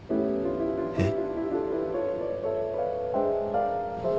えっ？